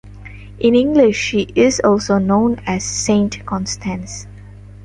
In English she is also known as Saint Constance.